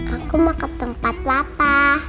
aku mau ke tempat papa